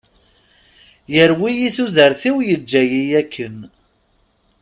Yerwi-iyi tudert-iw yeǧǧa-iyi akken.